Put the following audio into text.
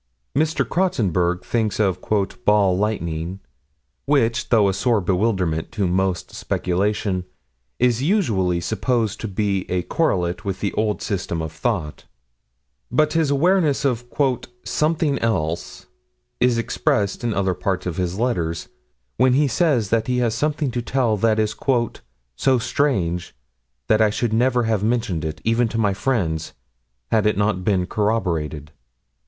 Mr. Crotsenburg thinks of "ball lightning," which, though a sore bewilderment to most speculation, is usually supposed to be a correlate with the old system of thought: but his awareness of "something else" is expressed in other parts of his letters, when he says that he has something to tell that is "so strange that I should never have mentioned it, even to my friends, had it not been corroborated...